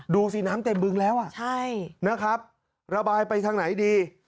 ดูสิน้ำเต็มบึงแล้วนะครับระบายไปทางไหนดี